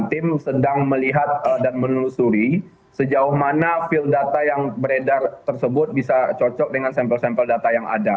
tim sedang melihat dan menelusuri sejauh mana feel data yang beredar tersebut bisa cocok dengan sampel sampel data yang ada